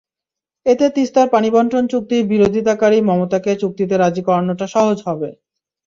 এতে তিস্তার পানিবণ্টন চুক্তির বিরোধিতাকারী মমতাকে চুক্তিতে রাজি করানোটা সহজ হবে।